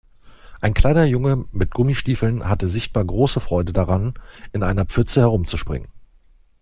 Ein kleiner Junge mit Gummistiefeln hatte sichtbar große Freude daran, in einer Pfütze herumzuspringen.